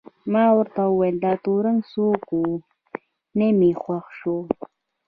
ما ورته وویل: دا تورن څوک و؟ نه مې خوښ شو.